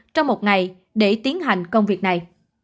trong một ngày để tiến hành công việc này